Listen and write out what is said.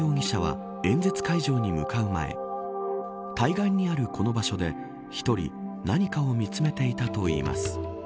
木村容疑者は演説会場に向かう前対岸にあるこの場所で１人、何かを見つめていたといいます。